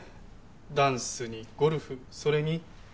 ダンスにゴルフそれにコーラス。